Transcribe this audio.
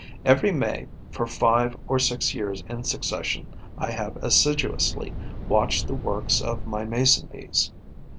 Every May, for five or six years in succession, I have assiduously watched the works of my Mason bees.